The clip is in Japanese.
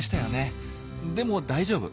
でも大丈夫。